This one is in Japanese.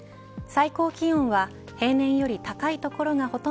最高気温は平年より高い所がほと